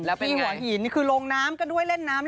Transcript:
นี่คือลงน้ำก็ด้วยแลนน้ำ